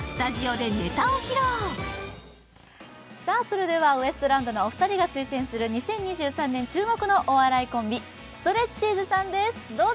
それではウエストランドのお二人が推薦する２０２３年注目のお笑いコンビ、ストレッチーズさんです、どうぞ！